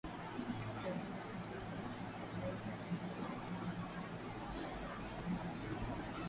utalii katika hifadhi hii ya Taifa ya Serengeti Gharama zake zikoje na zinatofatianaje vipi